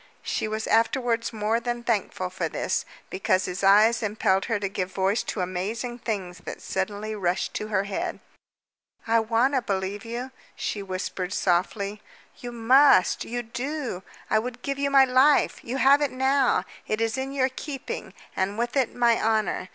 She was afterwards more than thankful for this, because his eyes impelled her to give voice to amazing things that suddenly rushed to her head. "I want to believe you," she whispered softly. "You must you do! I would give you my life. You have it now. It is in your keeping, and with it my honor.